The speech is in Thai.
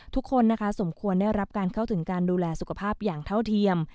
ทุกคนนะคะสมควรได้รับการเข้าถึงการดูแลสุขภาพอย่างเท่าเทียม